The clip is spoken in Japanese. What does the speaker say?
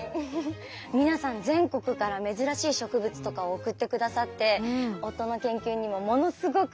皆さん全国から珍しい植物とかを送ってくださって夫の研究にもものすごく役立ってるんです。